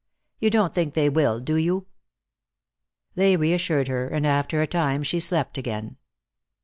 You don't think they will, do you?" They reassured her, and after a time she slept again.